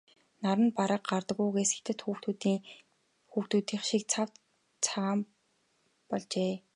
Наранд бараг гардаггүйгээс хятад хүүхнүүдийнх шиг цав цагаан болжээ.